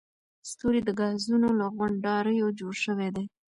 ستوري د ګازونو له غونډاریو جوړ شوي دي.